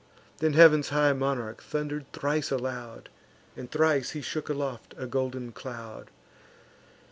Then heav'n's high monarch thunder'd thrice aloud, And thrice he shook aloft a golden cloud.